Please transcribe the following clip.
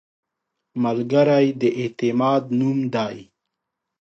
ملګری د اعتماد نوم دی